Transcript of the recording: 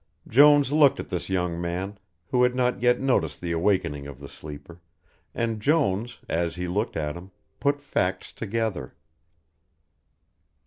Jones looked at this young man, who had not yet noticed the awakening of the sleeper, and Jones, as he looked at him, put facts together.